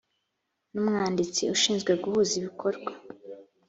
n umwanditsi ushinzwe guhuza ibikorwa